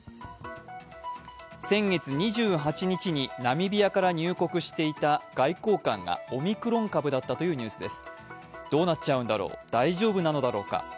先月２８日にナミビアから入国していた外交官がオミクロン株だったというニュースです。